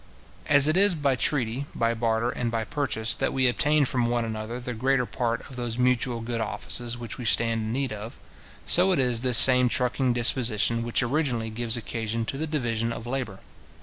As it is by treaty, by barter, and by purchase, that we obtain from one another the greater part of those mutual good offices which we stand in need of, so it is this same trucking disposition which originally gives occasion to the division of labour.